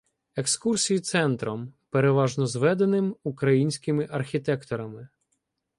Екскурсії центром, переважно зведеним українськими архітекторами